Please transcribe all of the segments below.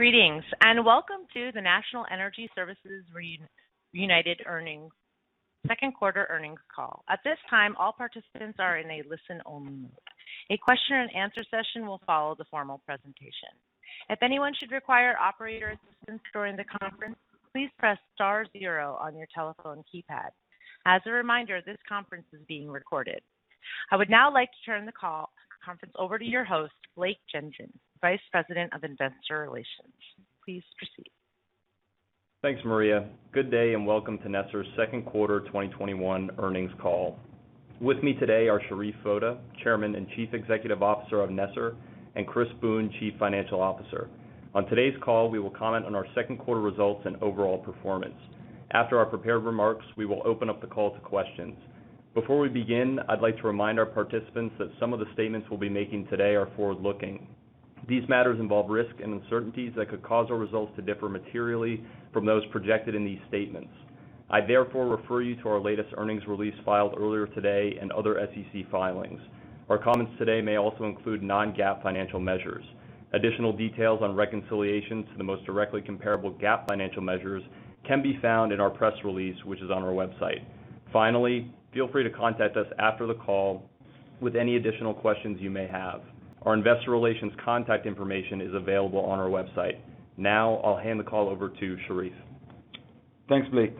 Greetings and welcome to the National Energy Services Reunited second quarter earnings call. At this time, all participants are in a listen only. A question and answer session will follow the formal presentation. If anyone should require operator assistance during the conference, please press star zero on your telephone keypad. As a reminder, this conference is being recorded. I would now like to turn the conference over to your host, Blake Gendron, Vice President of Investor Relations. Please proceed. Thanks, Maria. Good day, and welcome to NESR's second quarter 2021 earnings call. With me today are Sherif Foda, Chairman and Chief Executive Officer of NESR, and Chris Boone, Chief Financial Officer. On today's call, we will comment on our second quarter results and overall performance. After our prepared remarks, we will open up the call to questions. Before we begin, I'd like to remind our participants that some of the statements we'll be making today are forward-looking. These matters involve risk and uncertainties that could cause our results to differ materially from those projected in these statements. I therefore refer you to our latest earnings release filed earlier today and other SEC filings. Our comments today may also include non-GAAP financial measures. Additional details on reconciliations to the most directly comparable GAAP financial measures can be found in our press release, which is on our website. Finally, feel free to contact us after the call with any additional questions you may have. Our Investor Relations contact information is available on our website. I'll hand the call over to Sherif. Thanks, Blake.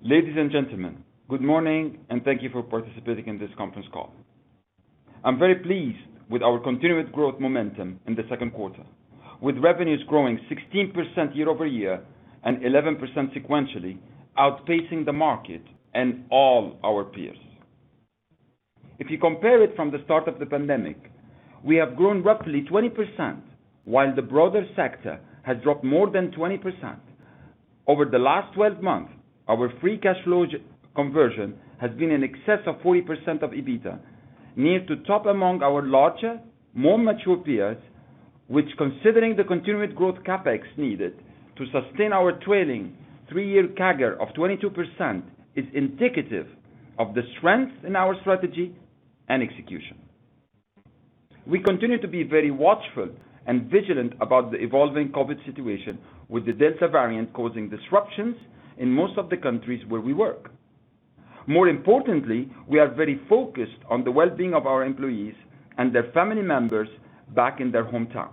Ladies and gentlemen, good morning, and thank you for participating in this conference call. I'm very pleased with our continued growth momentum in the second quarter, with revenues growing 16% year-over-year and 11% sequentially, outpacing the market and all our peers. If you compare it from the start of the pandemic, we have grown roughly 20% while the broader sector has dropped more than 20%. Over the last 12 months, our free cash flow conversion has been in excess of 40% of EBITDA, near to top among our larger, more mature peers, which considering the continued growth CapEx needed to sustain our trailing three-year CAGR of 22% is indicative of the strength in our strategy and execution. We continue to be very watchful and vigilant about the evolving COVID situation with the Delta variant causing disruptions in most of the countries where we work. More importantly, we are very focused on the well-being of our employees and their family members back in their hometown.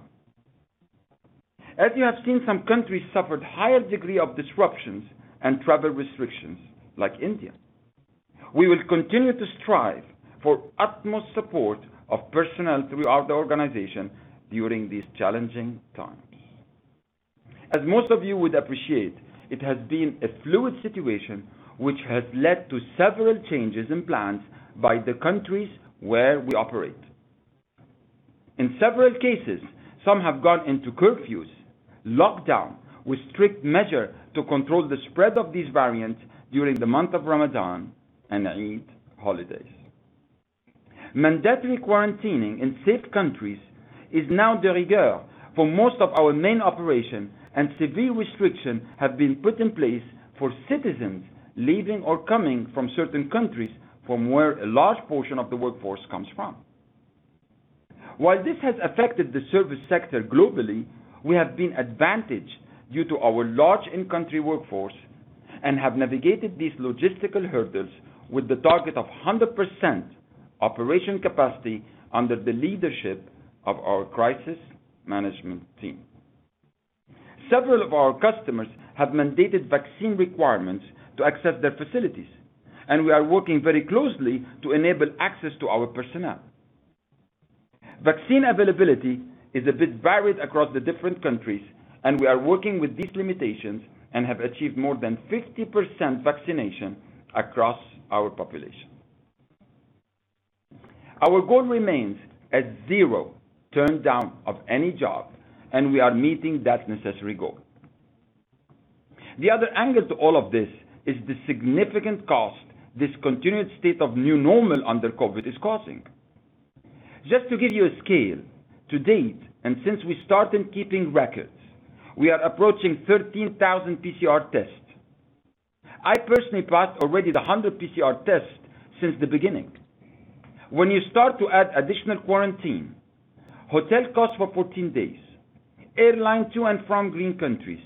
As you have seen, some countries suffered a higher degree of disruptions and travel restrictions, like India. We will continue to strive for utmost support of personnel throughout the organization during these challenging times. As most of you would appreciate, it has been a fluid situation, which has led to several changes in plans by the countries where we operate. In several cases, some have gone into curfews, lockdown, with strict measure to control the spread of these variants during the month of Ramadan and Eid holidays. Mandatory quarantining in safe countries is now de rigueur for most of our main operation, and severe restrictions have been put in place for citizens leaving or coming from certain countries from where a large portion of the workforce comes from. While this has affected the service sector globally, we have been advantaged due to our large in-country workforce and have navigated these logistical hurdles with the target of 100% operation capacity under the leadership of our crisis management team. Several of our customers have mandated vaccine requirements to access their facilities, and we are working very closely to enable access to our personnel. Vaccine availability is a bit varied across the different countries, and we are working with these limitations and have achieved more than 50% vaccination across our population. Our goal remains at zero turndown of any job, and we are meeting that necessary goal. The other angle to all of this is the significant cost this continued state of new normal under COVID is causing. Just to give you a scale, to date and since we started keeping records, we are approaching 13,000 PCR tests. I personally passed already a hundred PCR tests since the beginning. When you start to add additional quarantine, hotel costs for 14 days, airline to and from green countries,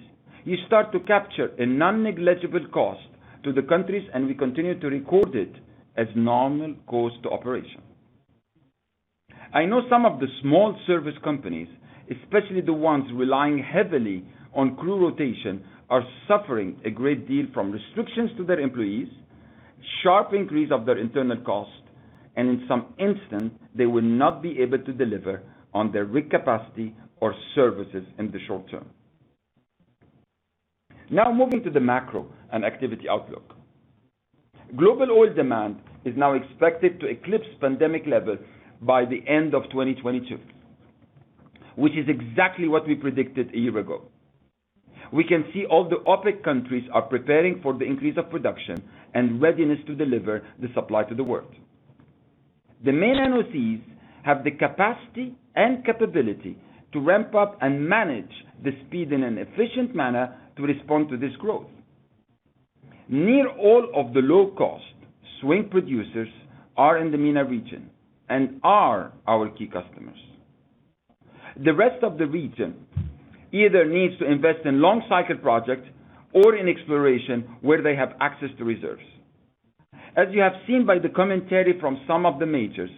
you start to capture a non-negligible cost to the countries, and we continue to record it as normal cost to operation. I know some of the small service companies, especially the ones relying heavily on crew rotation, are suffering a great deal from restrictions to their employees, sharp increase of their internal cost, and in some instances, they will not be able to deliver on their rig capacity or services in the short term. Now moving to the macro and activity outlook. Global oil demand is now expected to eclipse pandemic levels by the end of 2022, which is exactly what we predicted a year ago. We can see all the OPEC countries are preparing for the increase of production and readiness to deliver the supply to the world. The main NOCs have the capacity and capability to ramp up and manage the speed in an efficient manner to respond to this growth. Nearly all of the low-cost swing producers are in the MENA region and are our key customers. The rest of the region either needs to invest in long-cycle projects or in exploration where they have access to reserves. As you have seen by the commentary from some of the majors,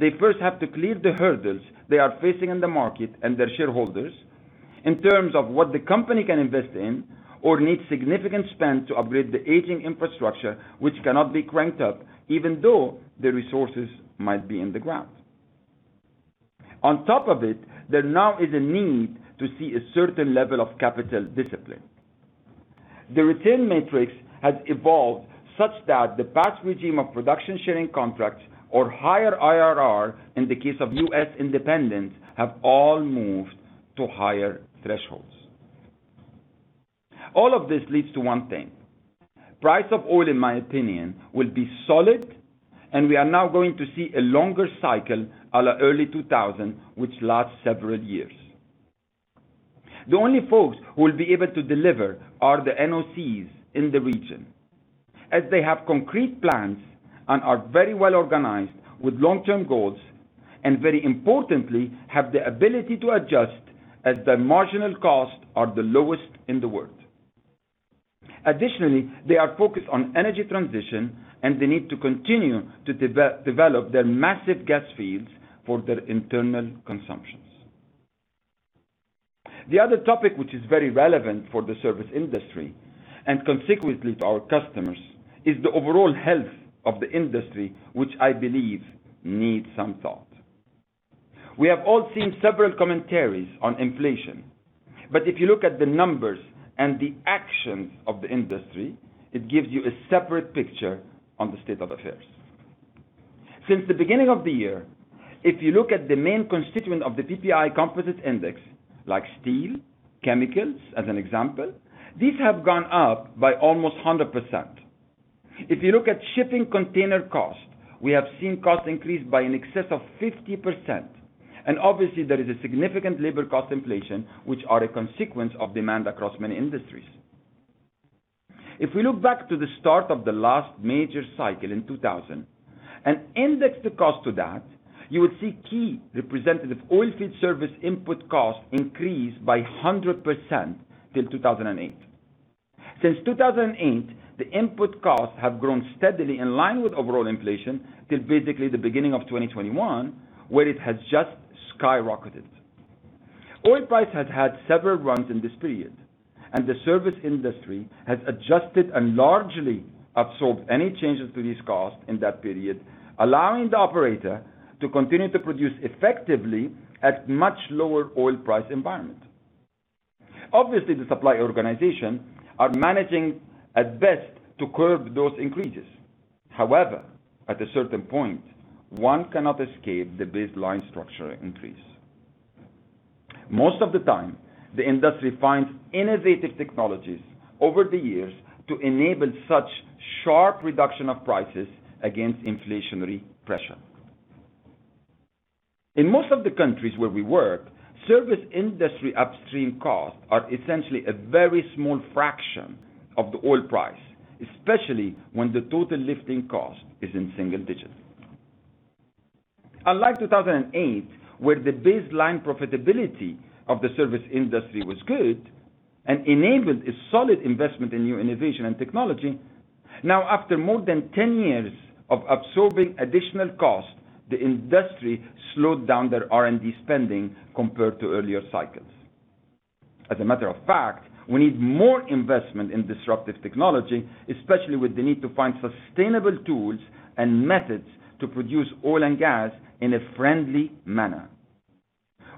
they first have to clear the hurdles they are facing in the market and their shareholders in terms of what the company can invest in or need significant spend to upgrade the aging infrastructure, which cannot be cranked up even though the resources might be in the ground. On top of it, there now is a need to see a certain level of capital discipline. The return matrix has evolved such that the past regime of production sharing contracts or higher IRR in the case of U.S. independents have all moved to higher thresholds. All of this leads to one thing. Price of oil, in my opinion, will be solid, and we are now going to see a longer cycle a la early 2000, which lasts several years. The only folks who will be able to deliver are the NOCs in the region, as they have concrete plans and are very well-organized with long-term goals, and very importantly, have the ability to adjust as their marginal costs are the lowest in the world. Additionally, they are focused on energy transition, and they need to continue to develop their massive gas fields for their internal consumptions. The other topic, which is very relevant for the service industry and consequently to our customers, is the overall health of the industry, which I believe needs some thought. We have all seen several commentaries on inflation, but if you look at the numbers and the actions of the industry, it gives you a separate picture on the state of affairs. Since the beginning of the year, if you look at the main constituent of the PPI composite index, like steel, chemicals, as an example, these have gone up by almost 100%. If you look at shipping container cost, we have seen costs increase by in excess of 50%. Obviously, there is a significant labor cost inflation, which are a consequence of demand across many industries. If we look back to the start of the last major cycle in 2000 and index the cost to that, you will see key representative oilfield service input cost increase by 100% till 2008. Since 2008, the input costs have grown steadily in line with overall inflation till basically the beginning of 2021, where it has just skyrocketed. Oil price has had several runs in this period, and the service industry has adjusted and largely absorbed any changes to these costs in that period, allowing the operator to continue to produce effectively at much lower oil price environment. Obviously, the supply organization are managing at best to curb those increases. However, at a certain point, one cannot escape the baseline structure increase. Most of the time, the industry finds innovative technologies over the years to enable such sharp reduction of prices against inflationary pressure. In most of the countries where we work, service industry upstream costs are essentially a very small fraction of the oil price, especially when the total lifting cost is in single digits. Unlike 2008, where the baseline profitability of the service industry was good and enabled a solid investment in new innovation and technology, now after more than 10 years of absorbing additional cost, the industry slowed down their R&D spending compared to earlier cycles. As a matter of fact, we need more investment in disruptive technology, especially with the need to find sustainable tools and methods to produce oil and gas in a friendly manner.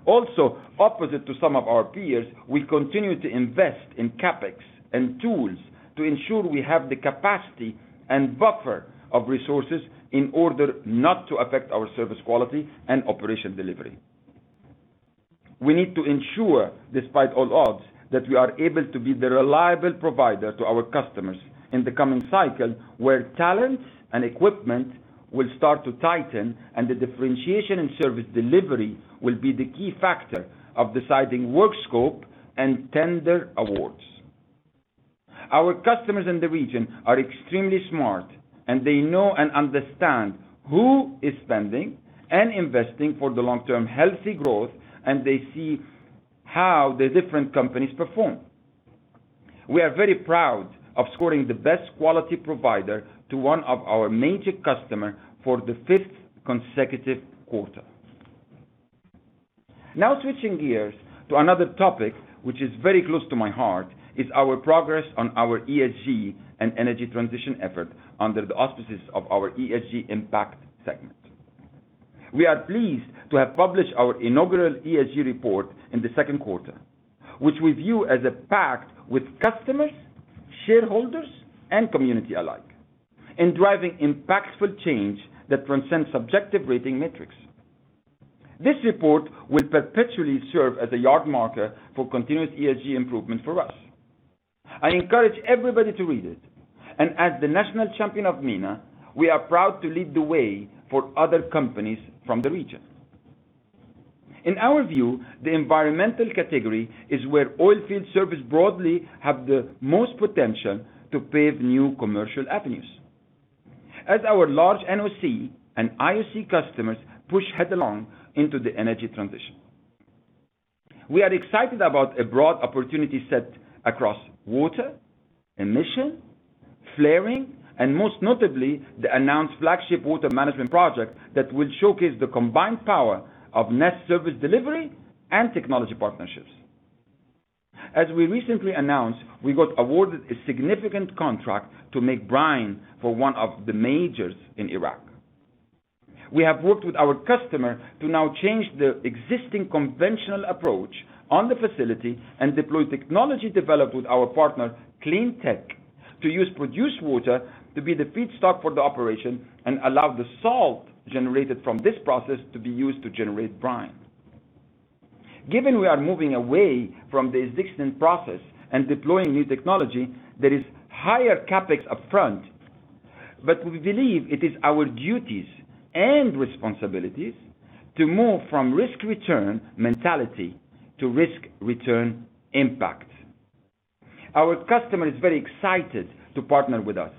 Also, opposite to some of our peers, we continue to invest in CapEx and tools to ensure we have the capacity and buffer of resources in order not to affect our service quality and operation delivery. We need to ensure, despite all odds, that we are able to be the reliable provider to our customers in the coming cycle, where talent and equipment will start to tighten and the differentiation in service delivery will be the key factor of deciding work scope and tender awards. Our customers in the region are extremely smart, and they know and understand who is spending and investing for the long-term healthy growth, and they see how the different companies perform. We are very proud of scoring the best quality provider to one of our major customer for the fifth consecutive quarter. Switching gears to another topic, which is very close to my heart, is our progress on our ESG and energy transition effort under the auspices of our ESG impact segment. We are pleased to have published our inaugural ESG report in the second quarter, which we view as a pact with customers, shareholders, and community alike in driving impactful change that transcends subjective rating metrics. This report will perpetually serve as a yard marker for continuous ESG improvement for us. I encourage everybody to read it, and as the national champion of MENA, we are proud to lead the way for other companies from the region. In our view, the environmental category is where oilfield service broadly have the most potential to pave new commercial avenues, as our large NOC and IOC customers push headlong into the energy transition. We are excited about a broad opportunity set across water, emission, flaring, and most notably, the announced flagship water management project that will showcase the combined power of NESR service delivery and technology partnerships. As we recently announced, we got awarded a significant contract to make brine for one of the majors in Iraq. We have worked with our customer to now change the existing conventional approach on the facility and deploy technology developed with our partner, Clean TeQ, to use produced water to be the feedstock for the operation and allow the salt generated from this process to be used to generate brine. Given we are moving away from the existing process and deploying new technology, there is higher CapEx upfront, but we believe it is our duties and responsibilities to move from risk-return mentality to risk-return impact. Our customer is very excited to partner with us.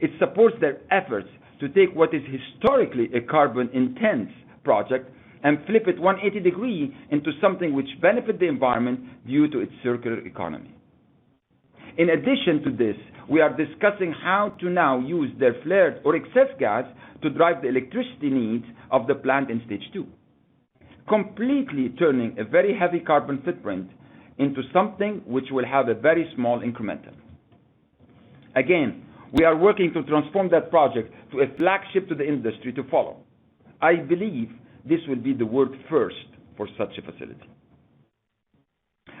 It supports their efforts to take what is historically a carbon-intense project and flip it 180 degrees into something which benefit the environment due to its circular economy. In addition to this, we are discussing how to now use their flared or excess gas to drive the electricity needs of the plant in stage two, completely turning a very heavy carbon footprint into something which will have a very small incremental. Again, we are working to transform that project to a flagship to the industry to follow. I believe this will be the world first for such a facility.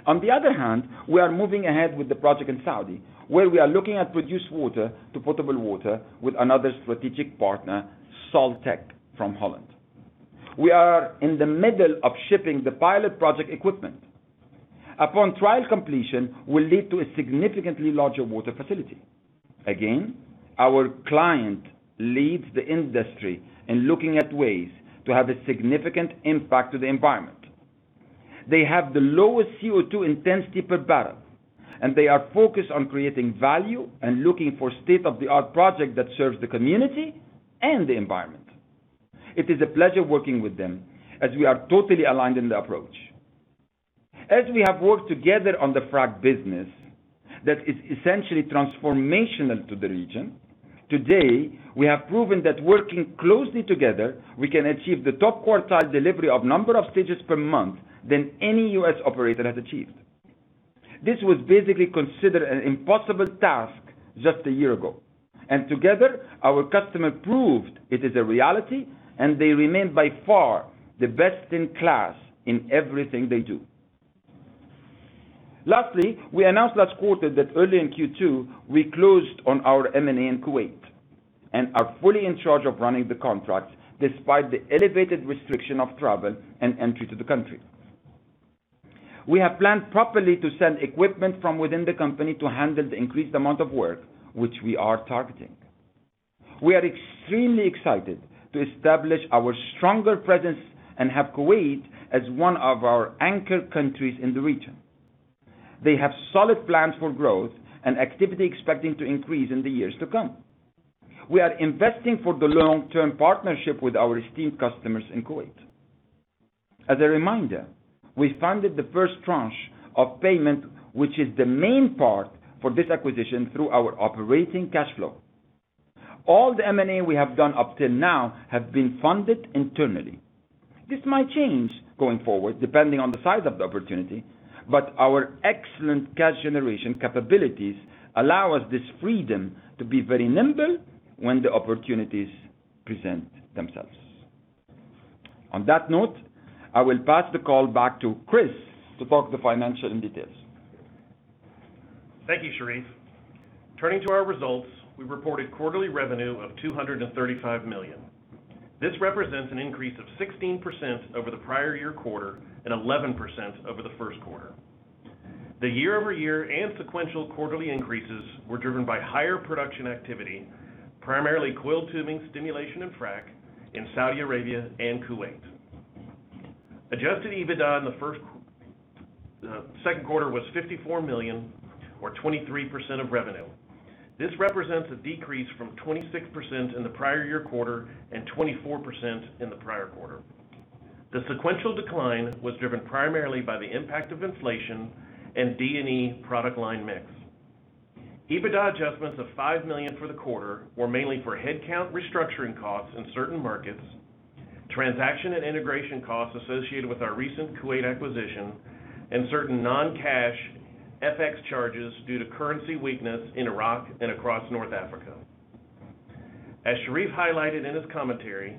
On the other hand, we are moving ahead with the project in Saudi, where we are looking at produced water to potable water with another strategic partner, Salttech from Holland. We are in the middle of shipping the pilot project equipment. Upon trial completion, will lead to a significantly larger water facility. Again, our client leads the industry in looking at ways to have a significant impact to the environment. They have the lowest CO2 intensity per barrel. They are focused on creating value and looking for state-of-the-art project that serves the community and the environment. It is a pleasure working with them as we are totally aligned in the approach. We have worked together on the frac business, that is essentially transformational to the region. Today, we have proven that working closely together, we can achieve the top quartile delivery of number of stages per month than any U.S. operator has achieved. This was basically considered an impossible task just a year ago. Together, our customer proved it is a reality, and they remain by far the best in class in everything they do. Lastly, we announced last quarter that early in Q2, we closed on our M&A in Kuwait and are fully in charge of running the contract despite the elevated restriction of travel and entry to the country. We have planned properly to send equipment from within the company to handle the increased amount of work, which we are targeting. We are extremely excited to establish our stronger presence and have Kuwait as one of our anchor countries in the region. They have solid plans for growth and activity expecting to increase in the years to come. We are investing for the long-term partnership with our esteemed customers in Kuwait. As a reminder, we funded the first tranche of payment, which is the main part for this acquisition through our operating cash flow. All the M&A we have done up till now have been funded internally. This might change going forward depending on the size of the opportunity, but our excellent cash generation capabilities allow us this freedom to be very nimble when the opportunities present themselves. On that note, I will pass the call back to Chris to talk the financial in detail. Thank you, Sherif. Turning to our results, we reported quarterly revenue of $235 million. This represents an increase of 16% over the prior year quarter and 11% over the first quarter. The year-over-year and sequential quarterly increases were driven by higher production activity, primarily coiled tubing stimulation and frac in Saudi Arabia and Kuwait. Adjusted EBITDA in the second quarter was $54 million or 23% of revenue. This represents a decrease from 26% in the prior year quarter and 24% in the prior quarter. The sequential decline was driven primarily by the impact of inflation and D&E product line mix. EBITDA adjustments of $5 million for the quarter were mainly for headcount restructuring costs in certain markets, transaction and integration costs associated with our recent Kuwait acquisition, and certain non-cash FX charges due to currency weakness in Iraq and across North Africa. As Sherif highlighted in his commentary,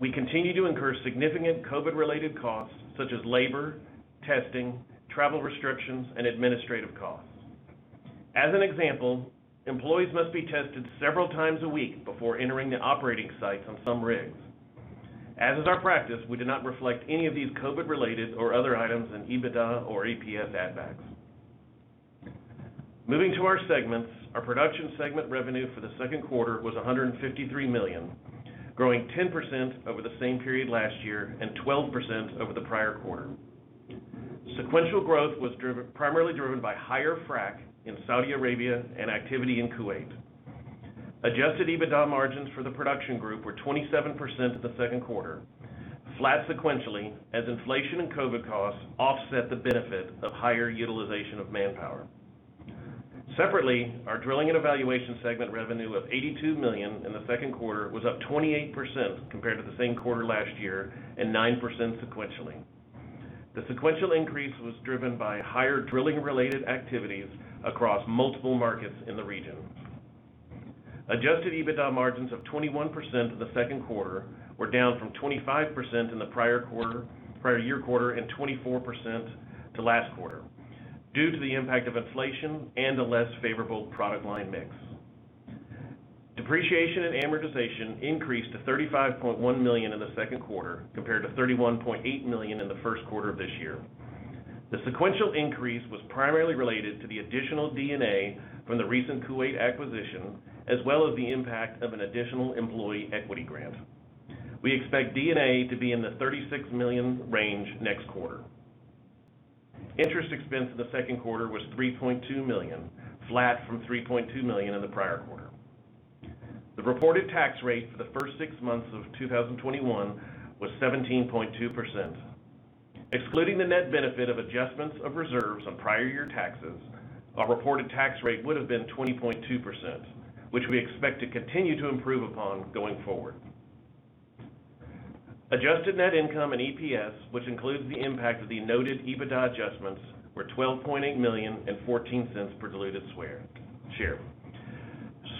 we continue to incur significant COVID-related costs such as labor, testing, travel restrictions, and administrative costs. As an example, employees must be tested several times a week before entering the operating sites on some rigs. As is our practice, we do not reflect any of these COVID-related or other items in EBITDA or EPS add backs. Moving to our segments, our production segment revenue for the second quarter was $153 million, growing 10% over the same period last year and 12% over the prior quarter. Sequential growth was primarily driven by higher frac in Saudi Arabia and activity in Kuwait. Adjusted EBITDA margins for the production group were 27% in the second quarter, flat sequentially as inflation and COVID costs offset the benefit of higher utilization of manpower. Separately, our Drilling and Evaluation segment revenue of $82 million in the second quarter was up 28% compared to the same quarter last year, and 9% sequentially. The sequential increase was driven by higher drilling-related activities across multiple markets in the region. Adjusted EBITDA margins of 21% in the second quarter were down from 25% in the prior year quarter and 24% to last quarter due to the impact of inflation and a less favorable product line mix. Depreciation and amortization increased to $35.1 million in the second quarter, compared to $31.8 million in the first quarter of this year. The sequential increase was primarily related to the additional D&A from the recent Kuwait acquisition, as well as the impact of an additional employee equity grant. We expect D&A to be in the $36 million range next quarter. Interest expense in the second quarter was $3.2 million, flat from $3.2 million in the prior quarter. The reported tax rate for the first six months of 2021 was 17.2%. Excluding the net benefit of adjustments of reserves on prior year taxes, our reported tax rate would have been 20.2%, which we expect to continue to improve upon going forward. Adjusted net income and EPS, which includes the impact of the noted EBITDA adjustments, were $12.8 million and $0.14 per diluted share.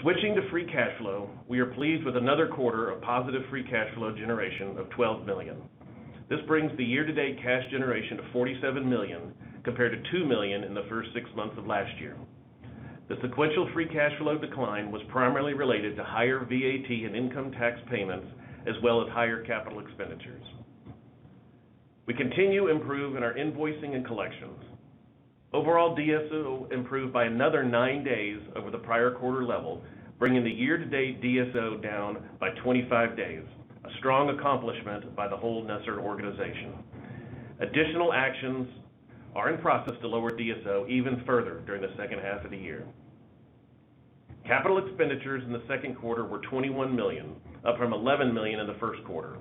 Switching to free cash flow, we are pleased with another quarter of positive free cash flow generation of $12 million. This brings the year-to-date cash generation to $47 million, compared to $2 million in the first six months of last year. The sequential free cash flow decline was primarily related to higher VAT and income tax payments, as well as higher capital expenditures. We continue to improve in our invoicing and collections. Overall, DSO improved by another nine days over the prior quarter level, bringing the year-to-date DSO down by 25 days. A strong accomplishment by the whole NESR organization. Additional actions are in process to lower DSO even further during the second half of the year. Capital expenditures in the second quarter were $21 million, up from $11 million in the first quarter.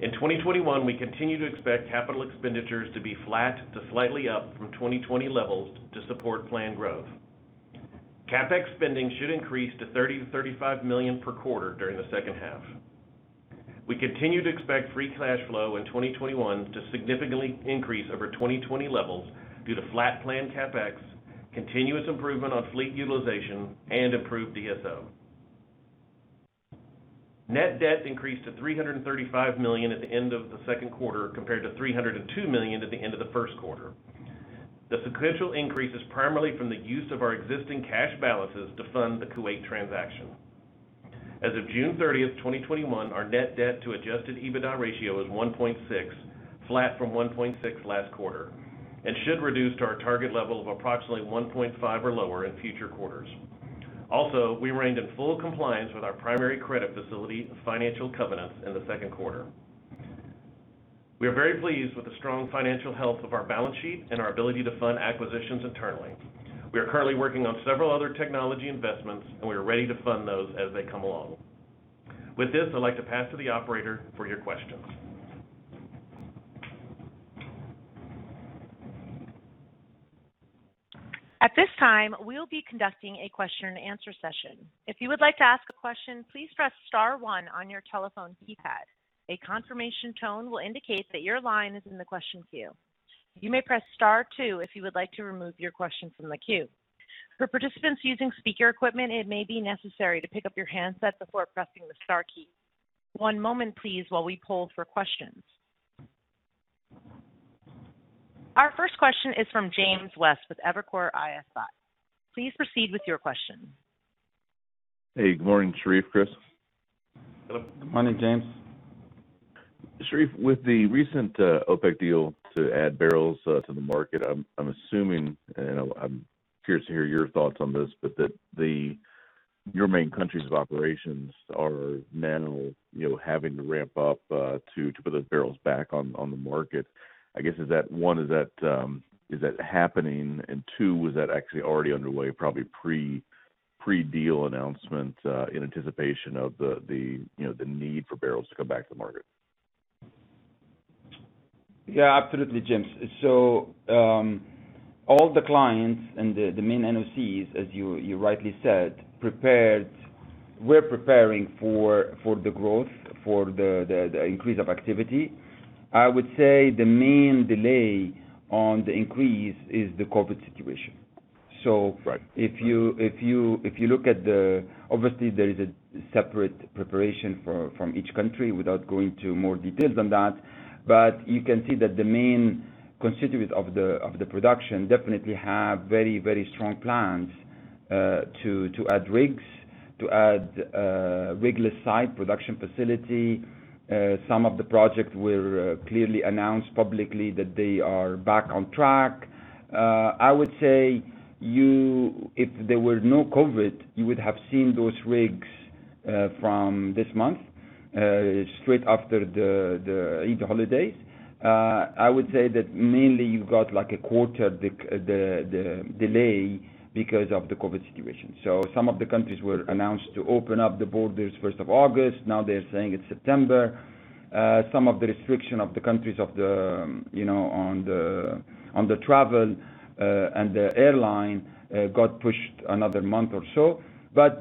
In 2021, we continue to expect capital expenditures to be flat to slightly up from 2020 levels to support planned growth. CapEx spending should increase to $30 million-$35 million per quarter during the second half. We continue to expect free cash flow in 2021 to significantly increase over 2020 levels due to flat planned CapEx, continuous improvement on fleet utilization, and improved DSO. Net debt increased to $335 million at the end of the second quarter, compared to $302 million at the end of the first quarter. The sequential increase is primarily from the use of our existing cash balances to fund the Kuwait transaction. As of June 30th, 2021, our net debt to adjusted EBITDA ratio is 1.6, flat from 1.6 last quarter, and should reduce to our target level of approximately 1.5 or lower in future quarters. Also, we remained in full compliance with our primary credit facility financial covenants in the second quarter. We are very pleased with the strong financial health of our balance sheet and our ability to fund acquisitions internally. We are currently working on several other technology investments. We are ready to fund those as they come along. With this, I'd like to pass to the operator for your questions. At this time, we'll be conducting a question and answer session. If you would like to ask a question, please press star one on your telephone keypad. A confirmation tone will indicate that your line is on the question queue. You may press star two if you would like to remove your question from the queue. For participants using speaker equipment, it may be necessary to pick up your handset before pressing the star key. One moment, please while we poll for questions. Our first question is from James West with Evercore ISI. Please proceed with your question. Hey, good morning, Sherif, Chris. Hello. Good morning, James. Sherif, with the recent OPEC deal to add barrels to the market, I'm assuming, and I'm curious to hear your thoughts on this, but that your main countries of operations are now having to ramp up to put those barrels back on the market. I guess, one, is that happening? Two, was that actually already underway, probably pre-deal announcement, in anticipation of the need for barrels to come back to the market? Yeah, absolutely, James. All the clients and the main NOCs, as you rightly said, were preparing for the growth, for the increase of activity. I would say the main delay on the increase is the COVID situation. Right. So, if you, if you, if you look at the, obviously, there is a separate preparation from each country, without going into more details on that. You can see that the main constituents of the production definitely have very, very strong plans to add rigs, to add rigless site production facility. Some of the projects were clearly announced publicly that they are back on track. I would say if there were no COVID, you would have seen those rigs from this month, straight after the Eid holidays. I would say that mainly you've got a quarter delay because of the COVID situation. Some of the countries were announced to open up the borders 1st of August. Now they're saying it's September. Some of the restriction of the countries on the travel and the airline got pushed another month or so.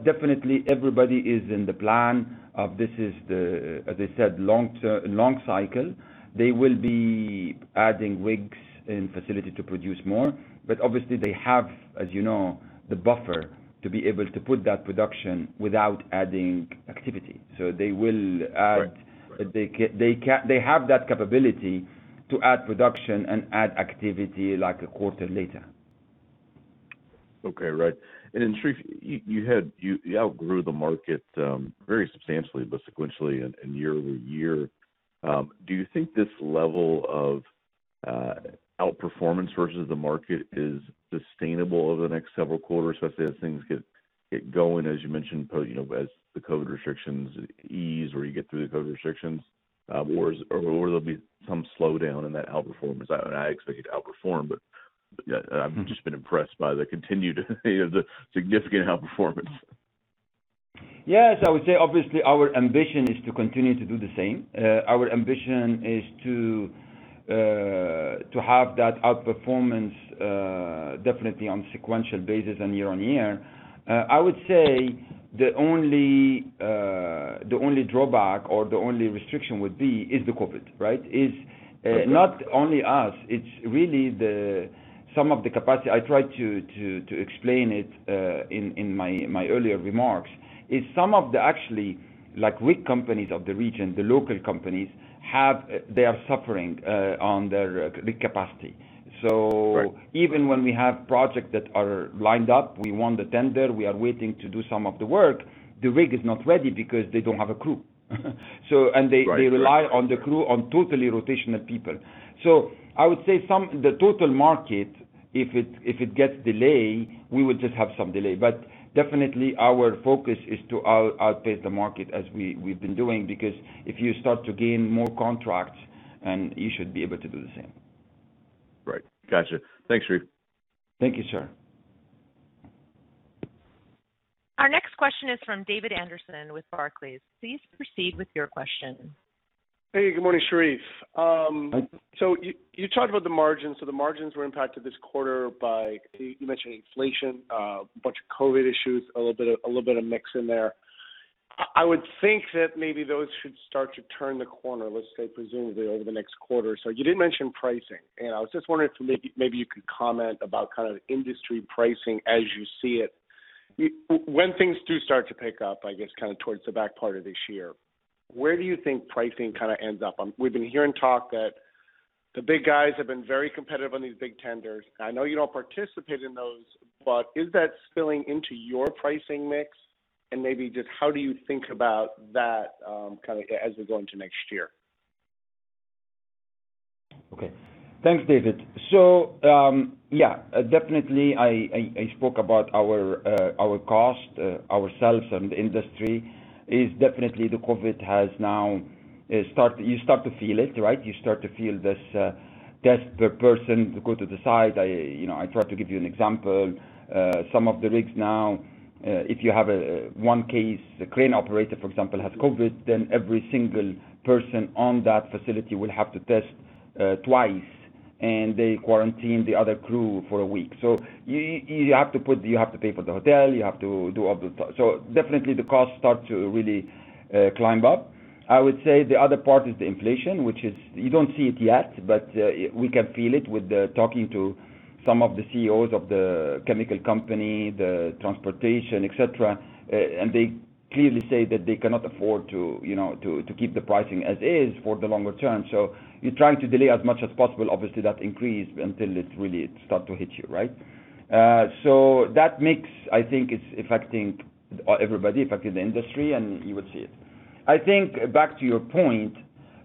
Definitely everybody is in the plan of this, is the, as I said, long cycle. They will be adding rigs and facility to produce more. Obviously they have, as you know, the buffer to be able to put that production without adding activity. Right They have that capability to add production and add activity like a quarter later. Okay. Right. Sherif, you outgrew the market very substantially, but sequentially and year-over-year. Do you think this level of outperformance versus the market is sustainable over the next several quarters, especially as things get going, as you mentioned, as the COVID restrictions ease or you get through the COVID restrictions? Or will there be some slowdown in that outperformance? I expect you to outperform, but I've just been impressed by the continued significant outperformance. Yes. I would say obviously our ambition is to continue to do the same. Our ambition is to have that outperformance, definitely on sequential basis and year-on-year. I would say the only drawback or the only restriction would be is the COVID, right? Okay. It's not only us, it's really some of the capacity. I tried to explain it in my earlier remarks, is some of the actually rig companies of the region, the local companies, they are suffering on their rig capacity. Right. Even when we have projects that are lined up, we won the tender, we are waiting to do some of the work, the rig is not ready because they don't have a crew. Right. They rely on the crew on totally rotational people. I would say some, in the total market, if it gets delay, we would just have some delay. Definitely our focus is to outpace the market as we've been doing. If you start to gain more contracts, then you should be able to do the same. Right. Got you. Thanks, Sherif. Thank you, sir. Our next question is from David Anderson with Barclays. Please proceed with your question. Hey. Good morning, Sherif. Hi. You talked about the margins. The margins were impacted this quarter by, you mentioned inflation, a bunch of COVID issues, a little bit of mix in there. I would think that maybe those should start to turn the corner, let's say presumably over the next quarter or so. You did mention pricing, and I was just wondering if maybe you could comment about industry pricing as you see it. When things do start to pick up, I guess towards the back part of this year, where do you think pricing ends up? We've been hearing talk that the big guys have been very competitive on these big tenders. I know you don't participate in those, but is that spilling into your pricing mix? Maybe just how do you think about that as we go into next year? Okay. Thanks, David. Yeah, definitely I spoke about our cost, ourselves and the industry. Definitely, the COVID has now, you start to feel it, right? You start to feel this test per person to go to the site. I tried to give you an example. Some of the rigs now, if you have one case, a crane operator, for example, has COVID, then every single person on that facility will have to test twice, and they quarantine the other crew for a week. You have to pay for the hotel. Definitely the cost start to really climb up. I would say the other part is the inflation, which is, you don't see it yet, but we can feel it with talking to some of the CEOs of the chemical company, the transportation, et cetera. They clearly say that they cannot afford to keep the pricing as is for the longer term. You're trying to delay as much as possible, obviously that increase, until it really start to hit you, right? That mix, I think is affecting everybody, affecting the industry, and you would see it. I think, back to your point,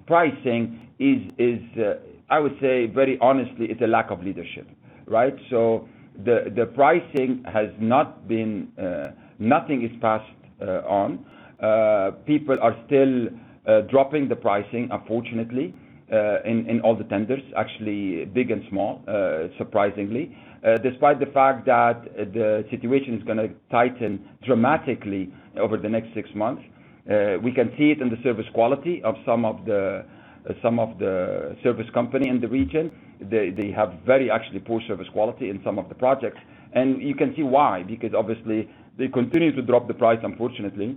pricing is, I would say very honestly, it's a lack of leadership, right? The pricing has not been, nothing is passed on. People are still dropping the pricing, unfortunately, in all the tenders, actually big and small, surprisingly. Despite the fact that the situation is going to tighten dramatically over the next six months. We can see it in the service quality of some of the service company in the region. They have very actually poor service quality in some of the projects. You can see why, because obviously they continue to drop the price, unfortunately.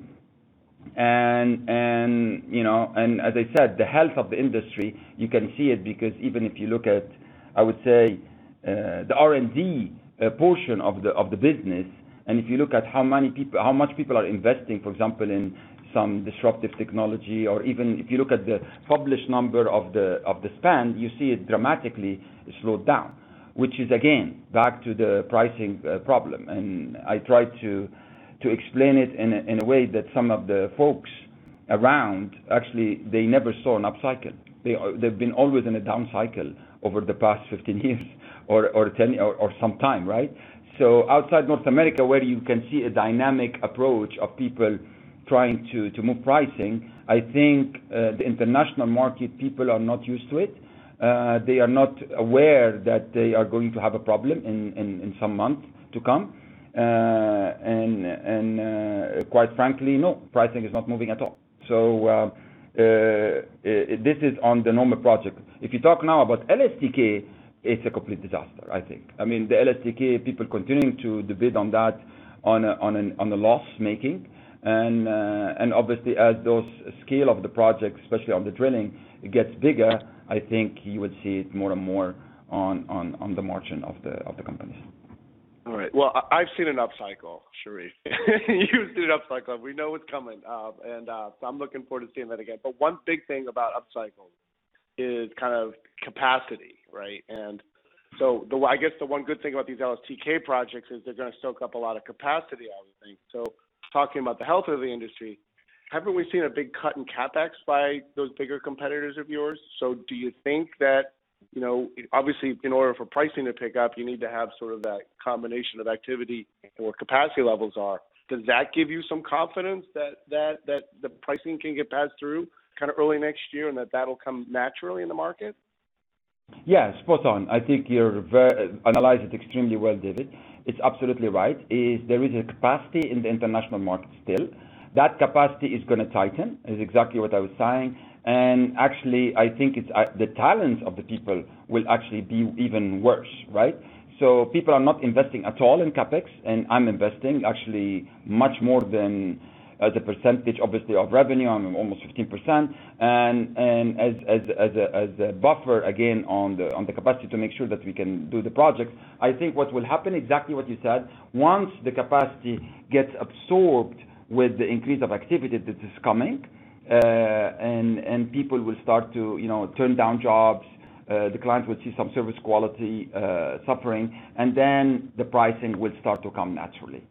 As I said, the health of the industry, you can see it because even if you look at, I would say, the R&D portion of the business, and if you look at how much people are investing, for example, in some disruptive technology, or even if you look at the published number of the spend, you see it dramatically slowed down. Which is again, back to the pricing problem. I try to explain it in a way, that some of the folks around, actually, they never saw an upcycle. They've been always in a downcycle over the past 15 years or 10 years, or some time, right? Outside North America, where you can see a dynamic approach of people trying to move pricing, I think the international market people are not used to it. They are not aware that they are going to have a problem in some month to come. Quite frankly, no, pricing is not moving at all. This is on the normal project. If you talk now about LSTK, it's a complete disaster, I think. The LSTK people continuing to bid on that on a loss-making. Obviously as those scale of the projects, especially on the drilling, gets bigger, I think you would see it more and more on the margin of the companies. All right. Well, I've seen an upcycle, Sherif. You've seen an upcycle. We know it's coming. I'm looking forward to seeing that again. One big thing about upcycles is capacity, right? I guess the one good thing about these LSTK projects is they're going to soak up a lot of capacity, I would think. Talking about the health of the industry, haven't we seen a big cut in CapEx by those bigger competitors of yours? Do you think that, obviously, in order for pricing to pick up, you need to have sort of that combination of activity and where capacity levels are. Does that give you some confidence that the pricing can get passed through early next year, and that'll come naturally in the market? Yes, spot on. I think you analyzed it extremely well, David. It's absolutely right. There is a capacity in the international market still. That capacity is going to tighten, is exactly what I was saying. Actually, I think the talents of the people will actually be even worse, right? People are not investing at all in CapEx, and I'm investing actually much more than as a percentage, obviously, of revenue. I'm almost 15%. As a buffer, again, on the capacity to make sure that we can do the project. I think what will happen, exactly what you said, once the capacity gets absorbed with the increase of activity that is coming, and people will start to turn down jobs, the client will see some service quality suffering, and then the pricing will start to come naturally.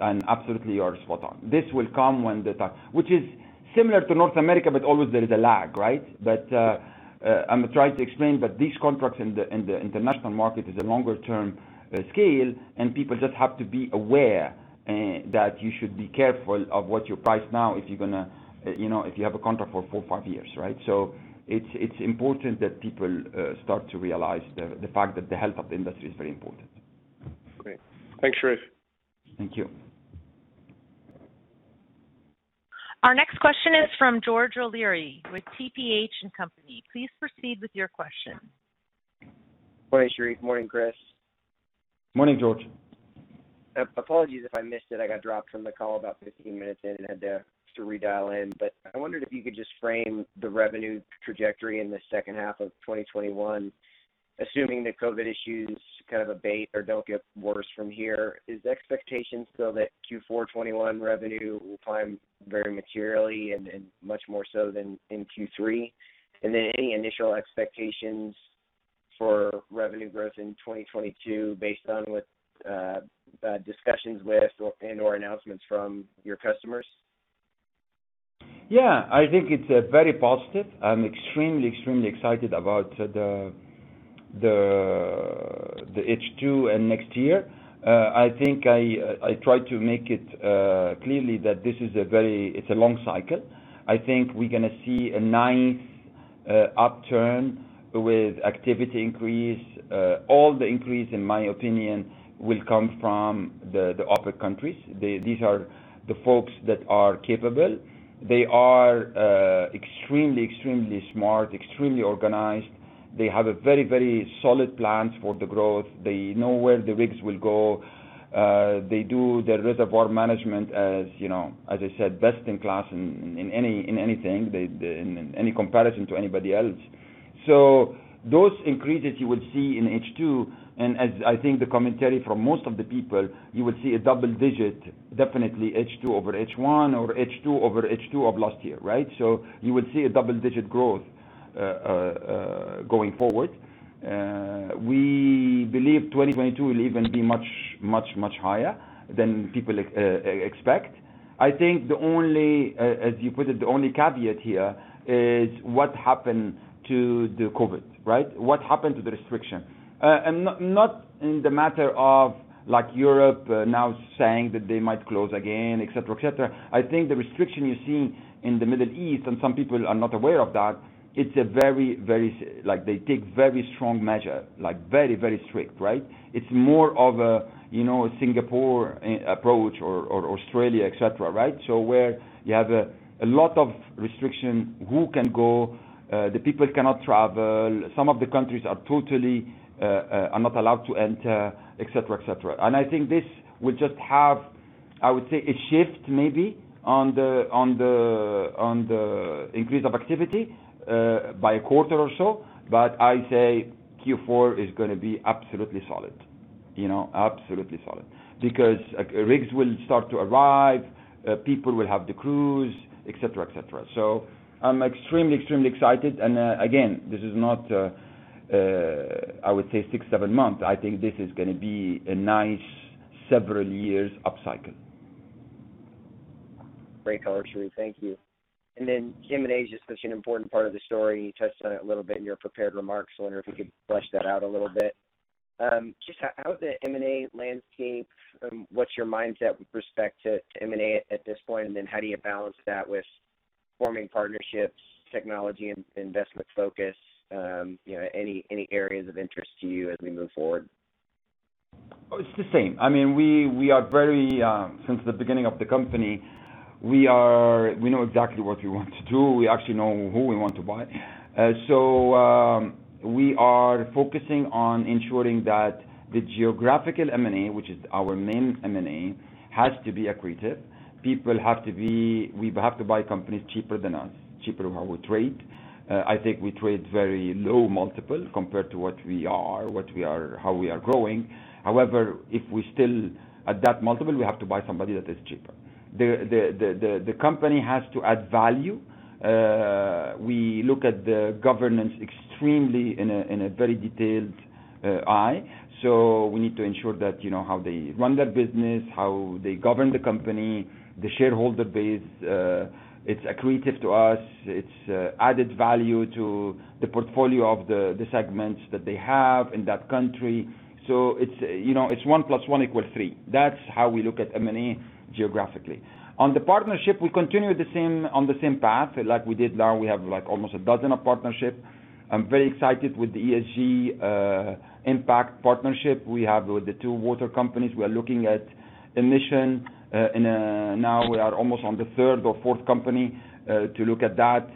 Absolutely, you are spot on. This will come when the, which is similar to North America, but always there is a lag, right? I'm trying to explain that these contracts in the international market is a longer-term scale, and people just have to be aware that you should be careful of what you price now if you have a contract for four or five years, right? It's important that people start to realize the fact that the health of the industry is very important. Great. Thanks, Sherif. Thank you. Our next question is from George O'Leary with TPH&Co. Please proceed with your question. Morning, Sherif. Morning, Chris. Morning, George. Apologies if I missed it. I got dropped from the call about 15 minutes in and had to redial in. I wondered if you could just frame the revenue trajectory in the second half of 2021, assuming that COVID issues kind of abate or don't get worse from here. Is the expectation still that Q4 2021 revenue will climb very materially and much more so than in Q3? Any initial expectations for revenue growth in 2022 based on what discussions with and/or announcements from your customers? Yeah, I think it's very positive. I'm extremely excited about the H2 and next year. I think I try to make it clearly that this is a long cycle. I think we're going to see a nice upturn with activity increase. All the increase, in my opinion, will come from the OPEC countries. These are the folks that are capable. They are extremely, extremely smart, extremely organized. They have a very solid plan for the growth. They know where the rigs will go. They do their reservoir management, as I said, best in class in anything, in any comparison to anybody else. Those increases you will see in H2, and as I think the commentary from most of the people, you will see a double-digit, definitely H2 over H1 or H2 over H2 of last year, right? You will see a double-digit growth going forward. We believe 2022 will even be much higher than people expect. I think the only, as you put it, the only caveat here is what happened to the COVID, right. What happened to the restriction. Not in the matter of Europe now saying that they might close again, et cetera. I think the restriction you see in the Middle East, and some people are not aware of that, they take very strong measure. Like very strict, right. It's more of a Singapore approach or Australia, et cetera, right. Where you have a lot of restriction, who can go, the people cannot travel. Some of the countries are totally are not allowed to enter, et cetera. I think this will just have, I would say, a shift maybe on the increase of activity, by a quarter or so. I say Q4 is going to be absolutely solid. Rigs will start to arrive, people will have the crews, et cetera. I'm extremely excited and, again, this is not, I would say six, seven months. I think this is going to be a nice several years upcycle. Great color, Sherif. Thank you. The M&A is just such an important part of the story. You touched on it a little bit in your prepared remarks. I wonder if you could flesh that out a little bit. Just how is the M&A landscape? What's your mindset with respect to M&A at this point? How do you balance that with forming partnerships, technology, and investment focus? Any areas of interest to you as we move forward? It's the same. Since the beginning of the company, we know exactly what we want to do. We actually know who we want to buy. We are focusing on ensuring that the geographical M&A, which is our main M&A, has to be accretive. People have to be, we have to buy companies cheaper than us, cheaper than what we trade. I think we trade very low multiple compared to what we are, how we are growing. However, if we're still at that multiple, we have to buy somebody that is cheaper. The company has to add value. We look at the governance extremely in a very detailed eye. We need to ensure that how they run their business, how they govern the company, the shareholder base, it's accretive to us, it's added value to the portfolio of the segments that they have in that country. It's one plus one equals three. That's how we look at M&A geographically. On the partnership, we continue on the same path like we did. Now we have almost a dozen of partnership. I'm very excited with the ESG impact partnership we have with the two water companies. We are looking at emission, and now we are almost on the third or fourth company to look at that.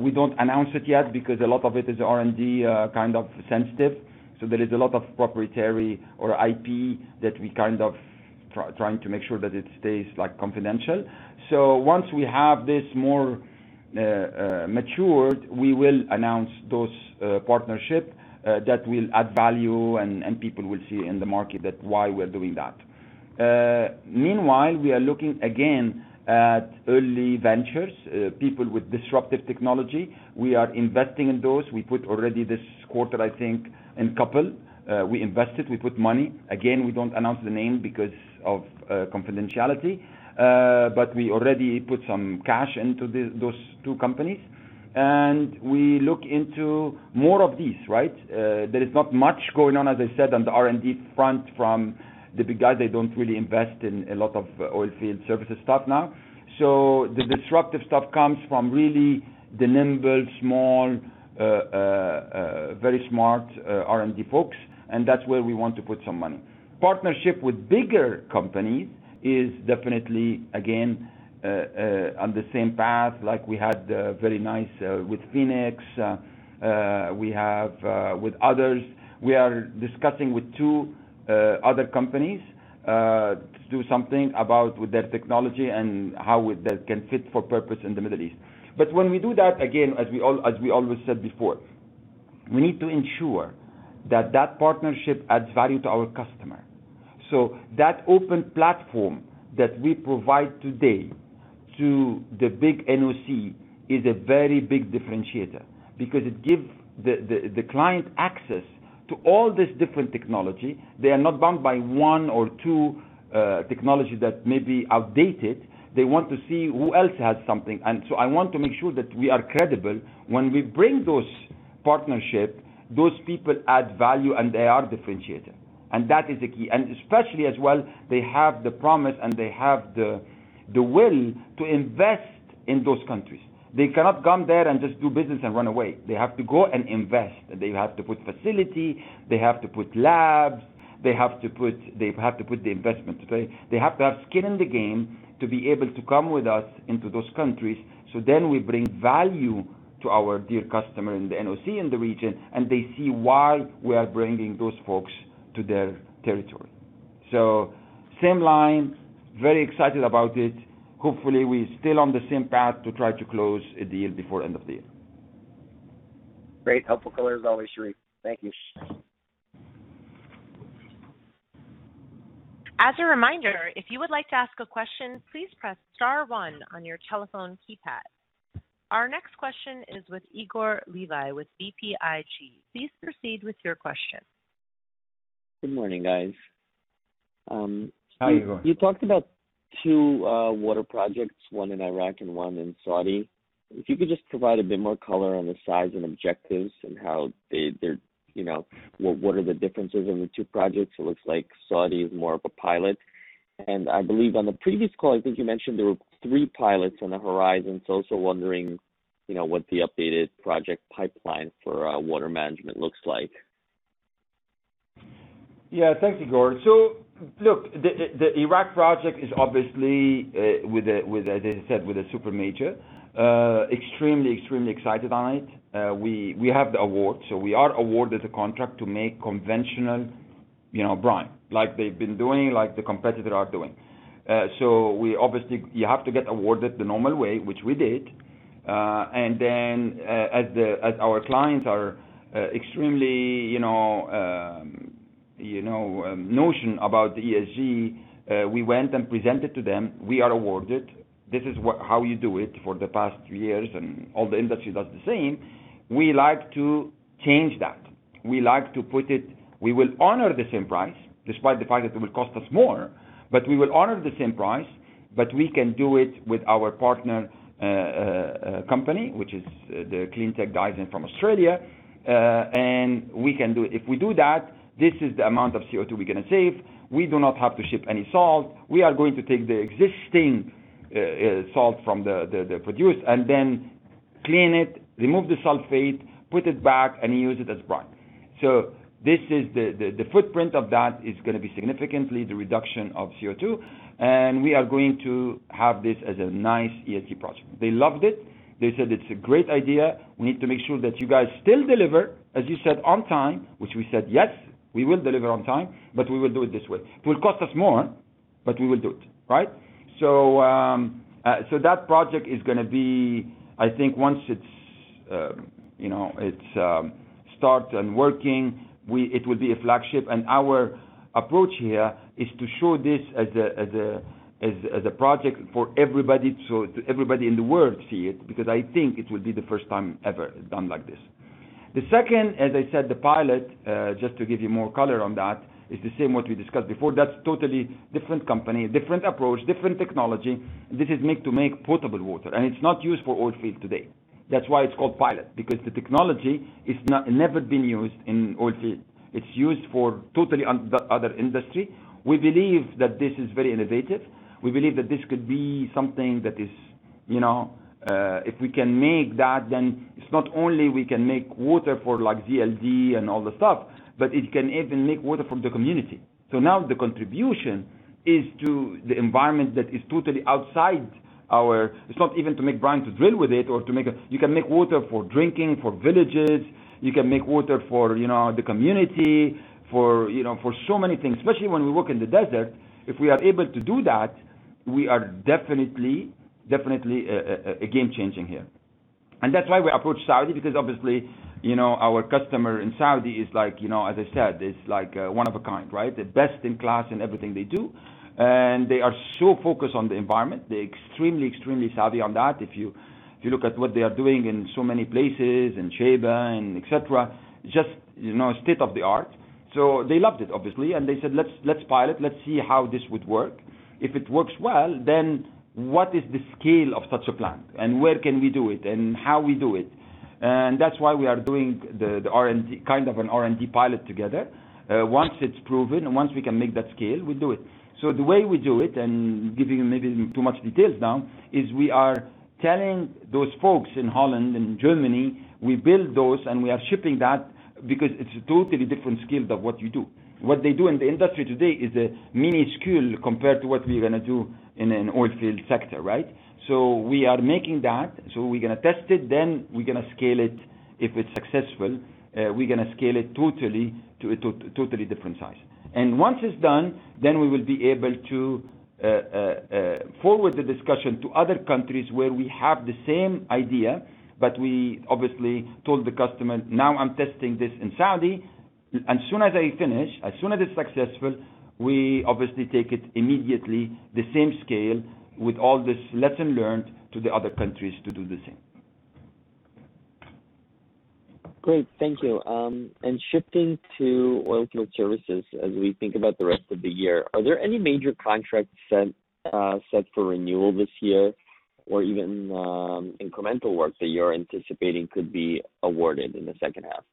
We don't announce it yet because a lot of it is R&D, kind of sensitive. There is a lot of proprietary or IP that we kind of trying to make sure that it stays confidential. Once we have this more matured, we will announce those partnership, that will add value and people will see in the market that why we're doing that. Meanwhile, we are looking again at early ventures, people with disruptive technology. We are investing in those. We put already this quarter, I think, in couple. We invested, we put money. We don't announce the name because of confidentiality. We already put some cash into those two companies. We look into more of these, right? There is not much going on, as I said, on the R&D front from the big guys. They don't really invest in a lot of oil field services stuff now. The disruptive stuff comes from really the nimble, small, very smart R&D folks, and that's where we want to put some money. Partnership with bigger companies is definitely, again, on the same path. Like we had very nice with Phoenix. We have with others. We are discussing with two other companies, to do something about with their technology and how that can fit for purpose in the Middle East. When we do that, again, as we always said before, we need to ensure that that partnership adds value to our customer. That open platform that we provide today to the big NOC is a very big differentiator because it gives the client access to all this different technology. They are not bound by one or two technologies that may be outdated. They want to see who else has something. I want to make sure that we are credible when we bring those partnership, those people add value, and they are differentiator. That is the key. Especially as well, they have the promise and they have the will to invest in those countries. They cannot come there and just do business and run away. They have to go and invest. They have to put facility, they have to put labs, they have to put the investment. They have to have skin in the game to be able to come with us into those countries. Then we bring value to our dear customer in the NOC in the region, and they see why we are bringing those folks to their territory. Same line, very excited about it. Hopefully, we're still on the same path to try to close a deal before end of the year. Great. Helpful color as always, Sherif. Thank you. As a reminder, if you would like to ask a question, please press star one on your telephone keypad. Our next question is with Igor Levi with BTIG. Please proceed with your question. Good morning, guys. Hi, Igor. You talked about two water projects, one in Iraq and one in Saudi. If you could just provide a bit more color on the size and objectives and what are the differences in the two projects. It looks like Saudi is more of a pilot. I believe on the previous call, I think you mentioned there were three pilots on the horizon. Also wondering what the updated project pipeline for water management looks like. Yeah. Thanks, Igor. Look, the Iraq project is obviously, as I said, with a super major. Extremely excited on it. We have the award, so we are awarded the contract to make conventional brine, like they've been doing, like the competitor are doing. Obviously, you have to get awarded the normal way, which we did. As our clients are extremely notion about the ESG. We went and presented to them. We are awarded. This is how you do it for the past years, and all the industry does the same. We like to change that. We like to put it, we will honor the same price despite the fact that it will cost us more, but we will honor the same price, but we can do it with our partner company, which is the Clean TeQ Water from Australia. If we do that, this is the amount of CO2 we're going to save. We do not have to ship any salt. We are going to take the existing salt from the produce and then clean it, remove the sulfate, put it back, and use it as brine. The footprint of that is going to be significantly the reduction of CO2, and we are going to have this as a nice ESG project. They loved it. They said it's a great idea. We need to make sure that you guys still deliver, as you said, on time, which we said, yes, we will deliver on time, but we will do it this way. It will cost us more, but we will do it. Right. That project is going to be, I think once it start and working, it will be a flagship. Our approach here is to show this as a project for everybody, so everybody in the world see it, because I think it will be the first time ever done like this. The second, as I said, the pilot, just to give you more color on that, is the same what we discussed before. That's totally different company, different approach, different technology. This is made to make potable water, and it's not used for oil field today. That's why it's called pilot, because the technology it's never been used in oil field. It's used for totally other industry. We believe that this is very innovative. We believe that this could be something. If we can make that, then it's not only we can make water for ZLD and all the stuff, but it can even make water for the community. Now the contribution is to the environment that is totally outside our. It's not even to make brine to drill with it or to make. You can make water for drinking, for villages. You can make water for the community, for so many things. Especially when we work in the desert, if we are able to do that, we are definitely a game changing here. That's why we approach Saudi because obviously, our customer in Saudi is, as I said, is one of a kind, right? The best in class in everything they do. They are so focused on the environment. They extremely, extremely savvy on that. If you look at what they are doing in so many places, in Shaybah and et cetera. It's just state of the art. They loved it, obviously, and they said, let's pilot. Let's see how this would work. If it works well, what is the scale of such a plan? Where can we do it? How we do it? That's why we are doing an R&D pilot together. Once it's proven, once we can make that scale, we do it. The way we do it, and giving you maybe too much details now, is we are telling those folks in Holland and Germany, we build those, and we are shipping that because it's a totally different scale of what you do. What they do in the industry today is a mini-scale compared to what we're going to do in an oilfield sector, right? We are making that. We're going to test it, then we're going to scale it. If it's successful, we're going to scale it to a totally different size. Once it's done, then we will be able to forward the discussion to other countries where we have the same idea. We obviously told the customer, now I'm testing this in Saudi. As soon as I finish, as soon as it's successful, we obviously take it immediately, the same scale with all this lesson learned to the other countries to do the same. Great. Thank you. Shifting to oilfield services as we think about the rest of the year, are there any major contracts set for renewal this year or even incremental work that you're anticipating could be awarded in the second half?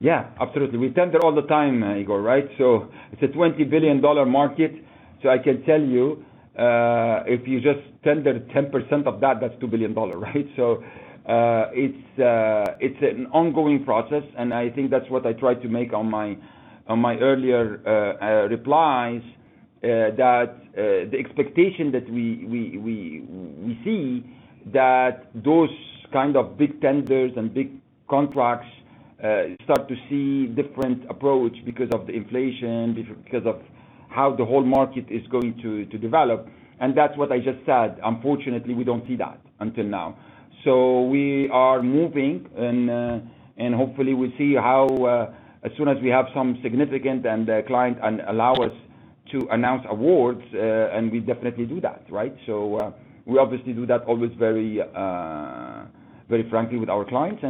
Yeah, absolutely. We tender all the time, Igor, right? It's a $20 billion market. I can tell you, if you just tender 10% of that's $2 billion, right? It's an ongoing process, and I think that's what I tried to make on my earlier replies, that the expectation that we see that those kind of big tenders and big contracts start to see different approach because of the inflation, because of how the whole market is going to develop. That's what I just said. Unfortunately, we don't see that until now. We are moving and hopefully we see how, as soon as we have some significant and the client allow us to announce awards, and we definitely do that, right? We obviously do that always very frankly with our clients.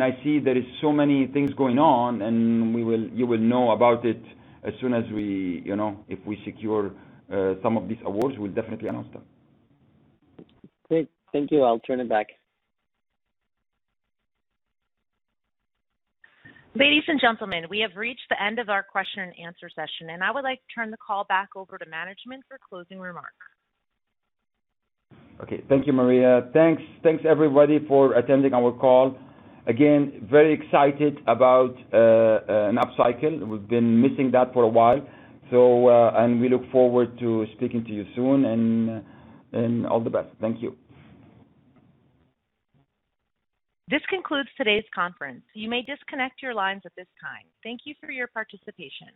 I see there is so many things going on, and you will know about it as soon as we secure some of these awards, we'll definitely announce them. Great. Thank you. I'll turn it back. Ladies and gentlemen, we have reached the end of our question and answer session, and I would like to turn the call back over to management for closing remarks. Okay. Thank you, Maria. Thanks everybody for attending our call. Again, very excited about an upcycle. We've been missing that for a while. We look forward to speaking to you soon, and all the best. Thank you. This concludes today's conference. You may disconnect your lines at this time. Thank you for your participation.